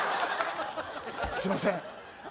すいません